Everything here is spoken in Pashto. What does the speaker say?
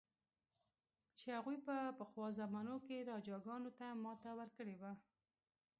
چې هغوی په پخوا زمانو کې راجاګانو ته ماته ورکړې وه.